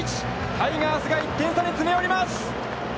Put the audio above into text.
タイガースが１点差に詰め寄ります！